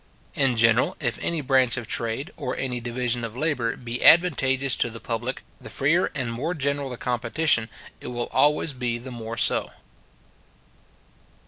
In general, if any branch of trade, or any division of labour, be advantageous to the public, the freer and more general the competition, it will always be the more so.